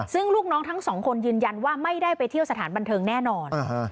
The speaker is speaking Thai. ซึ่งลูกน้องทั้งสองคนยืนยันว่าไม่ได้ไปเที่ยวสถานบันเทิงแน่นอน